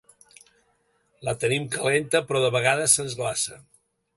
La tenim calenta però de vegades se'ns glaça.